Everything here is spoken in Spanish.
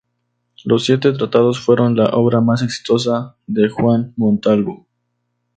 Los Siete tratados fueron la obra más exitosa de Juan Montalvo.